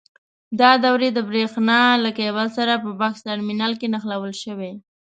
دا دورې د برېښنا له کېبل سره په بکس ټرمینل کې نښلول شوي.